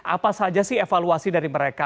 apa saja sih evaluasi dari mereka